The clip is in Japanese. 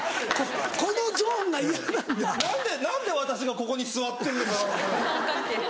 何で私がここに座ってんのかなって。